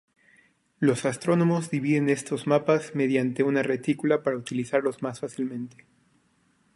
Los astrónomos dividen estos mapas mediante una retícula para utilizarlos más fácilmente.